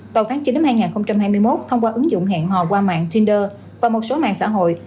vào tháng chín năm hai nghìn hai mươi một thông qua ứng dụng hẹn hò qua mạng tinder và một số mạng xã hội